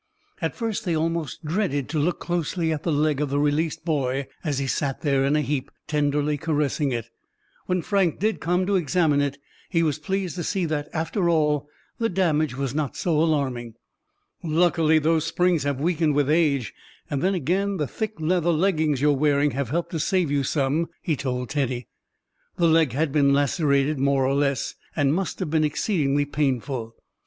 At first they almost dreaded to look closely at the leg of the released boy as he sat there in a heap, tenderly caressing it. When Frank did come to examine it, he was pleased to see that, after all, the damage was not so alarming. "Luckily those springs have weakened with age; and then again the thick leather leggings you're wearing have helped to save you some," he told Teddy. The leg had been lacerated more or less, and must have been exceedingly painful.